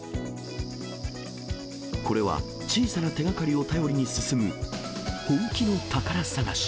これは、小さな手がかりを頼りに進む、本気の宝探し。